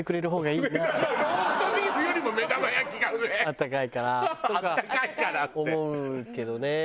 「あったかいから」って。とか思うけどね。